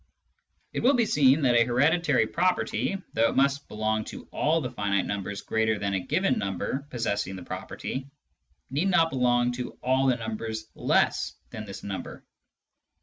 It will be seen that a hereditary property, though it must belong to all the finite numbers greater than a given number possessing the property, need not belong to all the numbers less than this number.